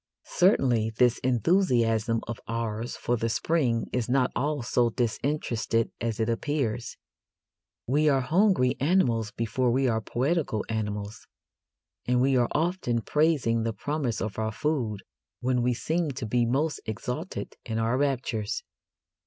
Certainly this enthusiasm of ours for the spring is not all so disinterested as it appears. We are hungry animals before we are poetical animals, and we are often praising the promise of our food when we seem to be most exalted in our raptures.